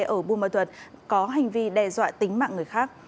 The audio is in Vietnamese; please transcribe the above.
ở bù mơ thuật có hành vi đe dọa tính mạng người khác